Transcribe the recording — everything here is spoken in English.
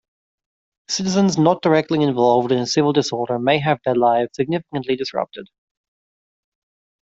Citizens not directly involved in a civil disorder may have their lives significantly disrupted.